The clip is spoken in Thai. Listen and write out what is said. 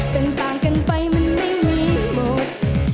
ต่างกันไปมันไม่มีหมด